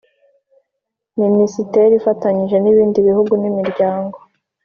Minisiteri ifatanya n ibindi bihugu n imiryango